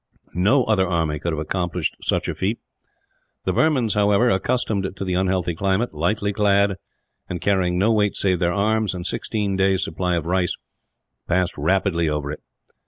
No other army could have accomplished such a feat. The Burmans, however, accustomed to the unhealthy climate, lightly clad, and carrying no weight save their arms and sixteen days' supply of rice, passed rapidly over it.